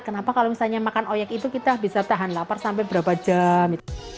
kenapa kalau misalnya makan oyek itu kita bisa tahan lapar sampai berapa jam